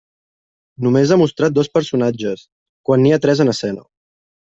Només ha mostrat dos personatges, quan n'hi ha tres en escena.